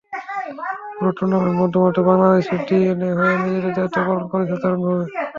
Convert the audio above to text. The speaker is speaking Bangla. পুরো টুর্নামেন্টে মধ্যমাঠে বাংলাদেশের ডিএনএ হয়ে নিজের দায়িত্ব পালন করেছে দারুণভাবে।